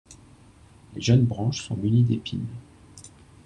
Les jeunes branches sont munies d'épines.